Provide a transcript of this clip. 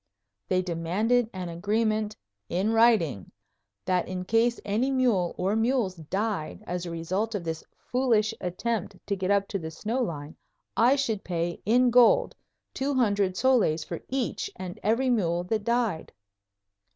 They demanded an agreement "in writing" that in case any mule or mules died as a result of this foolish attempt to get up to the snow line, I should pay in gold two hundred soles for each and every mule that died.